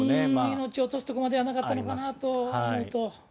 命を落とすところまではなかったのかなと思うと。